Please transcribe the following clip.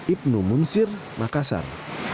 ibnu munsir makassar